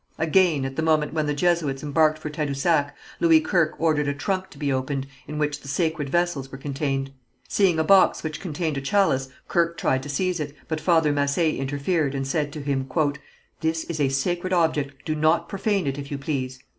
Again, at the moment when the Jesuits embarked for Tadousac, Louis Kirke ordered a trunk to be opened in which the sacred vessels were contained. Seeing a box which contained a chalice Kirke tried to seize it, but Father Massé interfered, and said to him: "This is a sacred object, do not profane it, if you please."